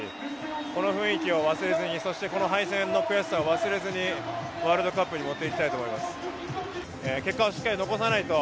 この雰囲気を忘れずに、この敗戦の悔しさ忘れずに、ワールドカップに持っていきたいと思います。